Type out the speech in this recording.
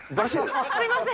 すみません。